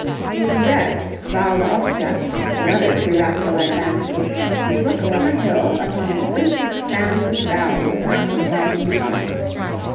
In Brett's 'Val d'Aosta,' another Pre Raphaelite landscape, we look from a hill upon a great expanse of valley with mountains rising behind.